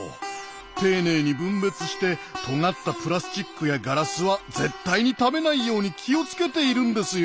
丁寧に分別してとがったプラスチックやガラスは絶対に食べないように気を付けているんですよ。